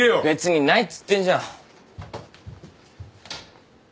別にないっつってんじゃん。